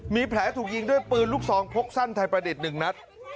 มีแผลถูกยิงด้วยปืนลูกซองพกสั้นไทยประดิษฐ์๑นัด